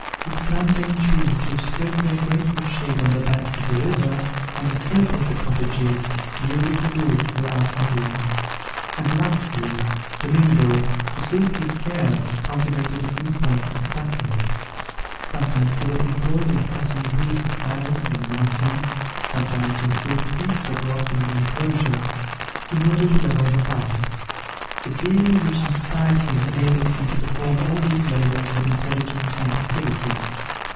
His plantain trees, which spread their grateful shade on the banks of the river, and encircled the cottages, yielded fruit throughout the year. And lastly, Domingo, to soothe his cares, cultivated a few plants of tobacco. Sometimes he was employed in cutting wood for firing from the mountain, sometimes in hewing pieces of rock within the enclosure, in order to level the paths. The zeal which inspired him enabled him to perform all these labours with intelligence and activity.